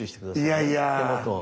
いやいや。